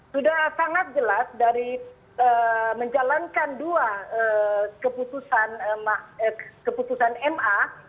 sudah sangat jelas dari menjalankan dua keputusan ma